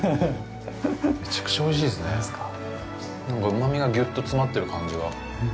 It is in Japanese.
うまみがギュッと詰まってる感じが。